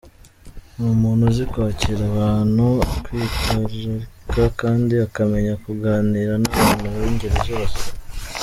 Ni umuntu uzi kwakira abantu, akitwararika kandi akamenya kuganira n’abantu b’ingeri zose.